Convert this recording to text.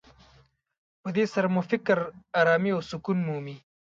په دې سره مو فکر ارامي او سکون مومي.